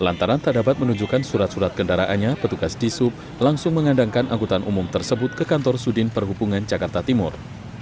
lantaran tak dapat menunjukkan surat surat kendaraannya petugas di sub langsung mengandangkan angkutan umum tersebut ke kantor sudin perhubungan jakarta timur